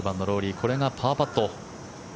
これがパーパット。